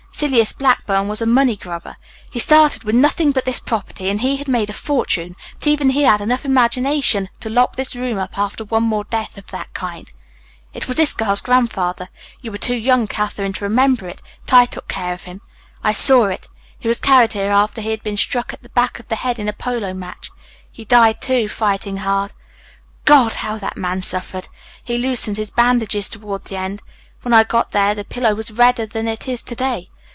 Silas Blackburn was a money grubber. He started with nothing but this property, and he made a fortune, but even he had enough imagination to lock this room up after one more death of that kind. It was this girl's father. You were too young, Katherine, to remember it, but I took care of him. I saw it. He was carried here after he had been struck at the back of the head in a polo match. He died, too, fighting hard. God! How the man suffered. He loosened his bandages toward the end. When I got here the pillow was redder than it is to day.